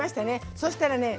そしたらね